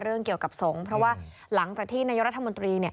เกี่ยวกับสงฆ์เพราะว่าหลังจากที่นายกรัฐมนตรี